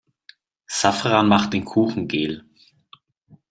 Safran macht den Kuchen gel.